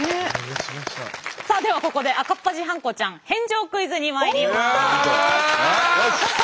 さあではここで赤っ恥ハンコちゃん返上クイズにまいります。